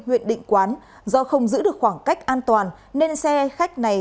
huyện định quán do không giữ được khoảng cách an toàn nên xe khách này